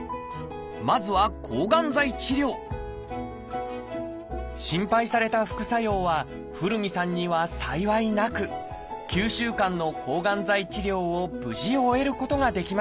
まずは心配された副作用は古海さんには幸いなく９週間の抗がん剤治療を無事終えることができました。